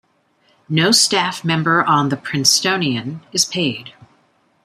No staff member on the 'Princetonian' is paid.